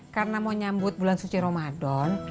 karena mau nyambut bulan suci ramadan